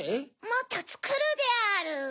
もっとつくるである。